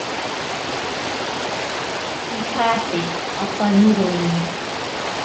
Pijate apaniroini.